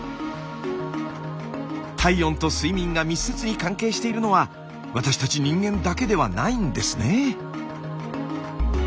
体温と睡眠が密接に関係しているのは私たち人間だけではないんですね。